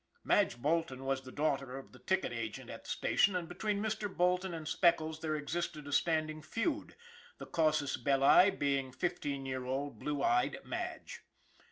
Madge Bolton was the daughter of the ticket agent at the station, and between Mr. Bolton and Speckles there existed a standing feud, the casus belli being fifteen year old, blue eyed Madge.